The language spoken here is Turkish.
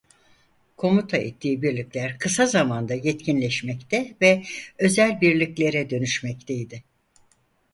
Komuta ettiği birlikler kısa zamanda yetkinleşmekte ve özel birliklere dönüşmekteydi.